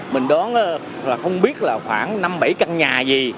mình đón là không biết là khoảng năm bảy căn nhà gì